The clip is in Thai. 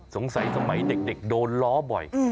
สงสัยสมัยเด็กโดนล้อบ่อย